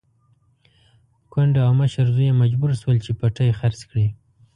کونډه او مشر زوی يې مجبور شول چې پټی خرڅ کړي.